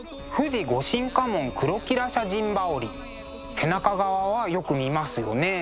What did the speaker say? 背中側はよく見ますよね。